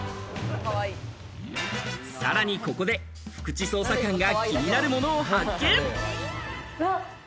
さらにここで福地捜査官が、気になるものを発見。